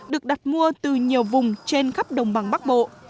được đặt mua từ nhiều vùng trên khắp đồng bằng bắc bộ